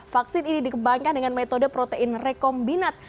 vaksin ini dikembangkan dengan metode protein rekombinat